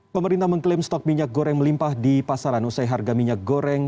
pemerintah mengklaim stok minyak goreng melimpah di pasaran usai harga minyak goreng